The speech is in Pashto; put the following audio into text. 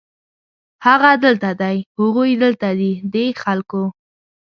هغه دلته دی، هغوی دلته دي ، دې خلکو